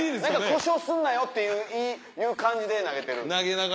故障すんなよっていう感じで投げてる。